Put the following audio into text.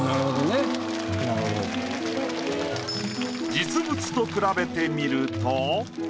実物と比べてみると。